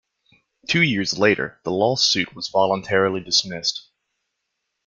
Two years later the lawsuit was voluntarily dismissed.